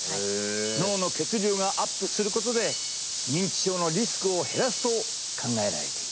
脳の血流がアップすることで認知症のリスクを減らすと考えられている。